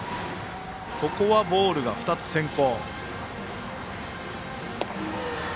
ここはボールが２つ先行。